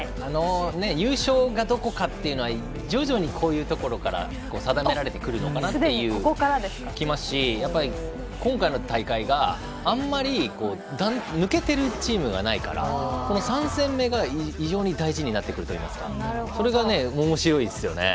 優勝がどこかというのは徐々にこういうところから定められてくるのかなという気もしますし今回の大会、あんまり抜けているチームがないから３戦目が非常に大事になってくるといいますかそれがおもしろいですよね。